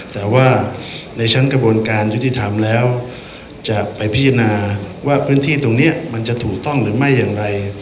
แต่ว่าในชั้นกระบวนการยุติธรรมแล้วจะไปพิจารณาว่าพื้นที่ตรงนี้มันจะถูกต้องหรือไม่อย่างไร